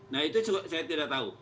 nah itu saya tidak tahu